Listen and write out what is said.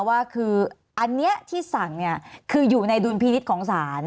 ว่าคืออันนี้ที่สั่งคืออยู่ในดุลพินิษฐ์ของศาล